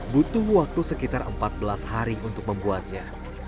butuh waktu sekitar empat belas hari untuk membuatnya